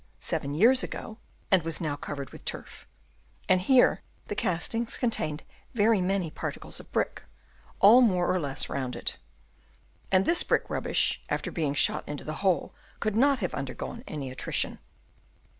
seven years ago, and was now covered with turf; and here the castings contained very many particles of brick, all more or less rounded ; and this brick rubbish, after being shot into the hole, could not have undergone any attrition.